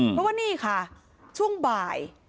เพราะว่านี่ค่ะช่วงบ่าย